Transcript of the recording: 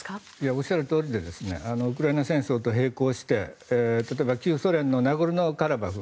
おっしゃるとおりでウクライナ戦争と並行して、例えば旧ソ連のナゴルノカラバフ。